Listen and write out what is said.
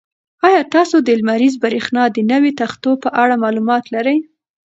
ایا تاسو د لمریزې برېښنا د نویو تختو په اړه معلومات لرئ؟